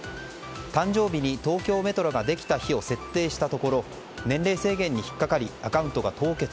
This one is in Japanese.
誕生日に東京メトロができた日を設定したところ年齢制限に引っ掛かりアカウントが凍結。